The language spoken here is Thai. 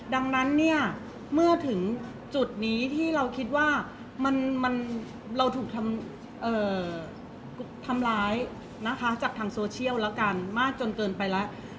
ดังนั้นเนี่ยเมื่อถึงจุดนี้ที่เราคิดว่าเราถูกทำร้ายนะคะจากทางโซเชียลแล้วกันมากจนเกินไปแล้ว